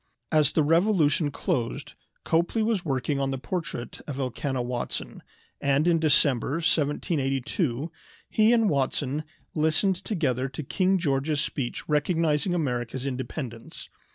As the Revolution closed Copley was working on the portrait of Elkanah Watson, and in December, 1782, he and Watson listened together to King George's speech recognizing America's independence.